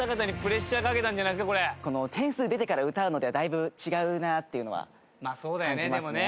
点数出てから歌うのではだいぶ違うなっていうのは感じますね。